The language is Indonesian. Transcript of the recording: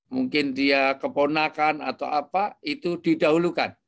mungkin dia keponakan atau apa itu didahulukan